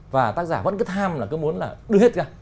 và tác giả vẫn cứ tham là cứ muốn là đưa hết ra